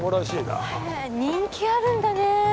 へえ人気あるんだね！